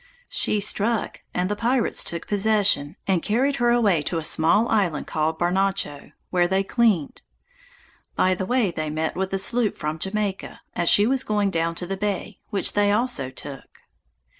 She struck, and the pirates took possession, and carried her away to a small island called Barnacho, where they cleaned. By the way they met with a sloop from Jamaica, as she was going down to the bay, which they also took.